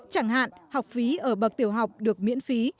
chẳng hạn học phí ở bậc tiểu học được miễn phí